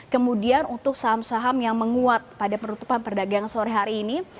kemudian untuk saham saham yang menguat pada penutupan perdagangan sore hari ini